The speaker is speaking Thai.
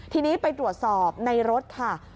ทีนี้ไปตรวจสอบในรถค่ะ